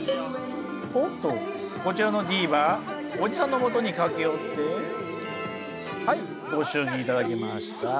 おっとこちらのディーヴァおじさんのもとに駆け寄ってはいご祝儀頂きました。